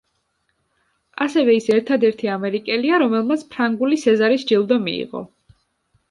ასევე ის ერთადერთი ამერიკელია, რომელმაც ფრანგული სეზარის ჯილდო მიიღო.